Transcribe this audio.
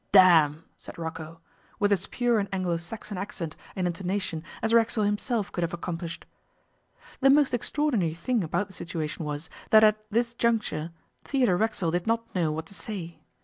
'D n!' said Rocco, with as pure an Anglo Saxon accent and intonation as Racksole himself could have accomplished. The most extraordinary thing about the situation was that at this juncture Theodore Racksole did not know what to say.